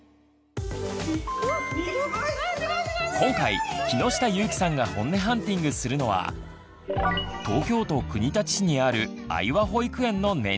今回木下ゆーきさんがホンネハンティングするのは東京都国立市にある「あいわ保育園」の年長さん。